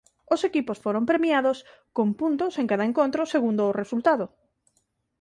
Os equipos foron premiados con puntos en cada encontro segundo o resultado.